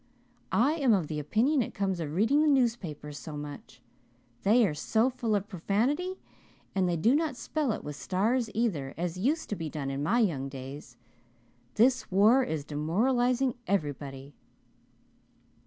I am of the opinion it comes of reading the newspapers so much. They are so full of profanity and they do not spell it with stars either, as used to be done in my young days. This war is demoralizing everybody."